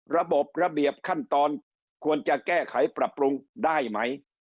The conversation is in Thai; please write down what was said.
ระบบระเบียบขั้นตอนควรจะแก้ไขปรับปรุงได้ไหม